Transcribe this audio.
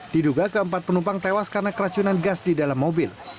diduga keempat penumpang tewas karena keracunan gas di dalam mobil